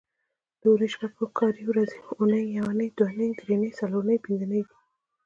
د اونۍ شپږ کاري ورځې اونۍ، یونۍ، دونۍ، درېنۍ، څلورنۍ، پینځنۍ دي